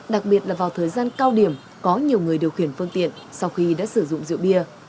đặc biệt là vào thời gian cao điểm có nhiều người điều khiển phương tiện sau khi đã sử dụng rượu bia